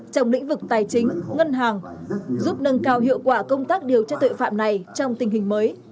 trong lĩnh vực tài chính ngân hàng giúp nâng cao hiệu quả công tác điều tra tội phạm này trong tình hình mới